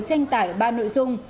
tranh tải ba nội dung